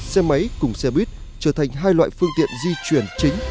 xe máy cùng xe buýt trở thành hai loại phương tiện di chuyển chính